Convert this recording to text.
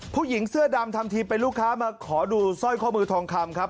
ผู้หญิงเสื้อดำทำทีเป็นลูกค้ามาขอดูสร้อยข้อมือทองคำครับ